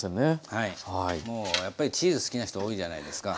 はいもうやっぱりチーズ好きな人多いじゃないですか。